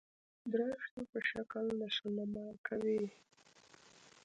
درشتو په شکل نشونما کوي.